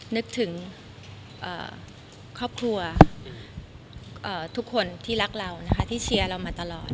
นึกถึงครอบครัวทุกคนที่รักเรานะคะที่เชียร์เรามาตลอด